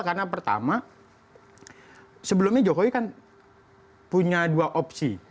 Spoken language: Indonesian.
karena pertama sebelumnya jokowi kan punya dua opsi